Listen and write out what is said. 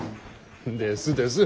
ですです！